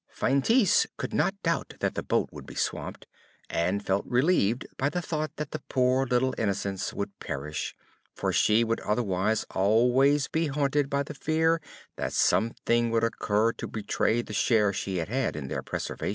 Feintise could not doubt that the boat would be swamped, and felt relieved by the thought that the poor little innocents would perish, for she would otherwise always be haunted by the fear that something would occur to betray the share she had had in their preservation.